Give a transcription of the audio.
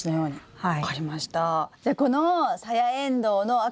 はい。